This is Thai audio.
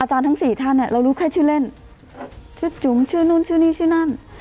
ทั้งสี่ท่านเนี่ยเรารู้แค่ชื่อเล่นชื่อจุ๋มชื่อนู่นชื่อนี่ชื่อนั่น